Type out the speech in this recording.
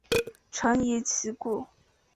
臣疑其故。